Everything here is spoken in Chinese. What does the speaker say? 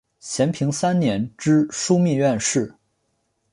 咸平三年知枢密院事。